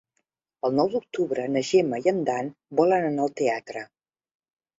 El nou d'octubre na Gemma i en Dan volen anar al teatre.